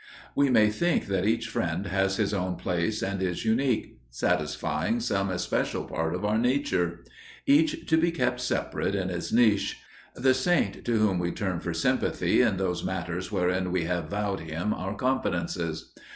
We may think that each friend has his own place and is unique, satisfying some especial part of our nature; each to be kept separate in his niche, the saint to whom we turn for sympathy in those matters wherein we have vowed him our confidences.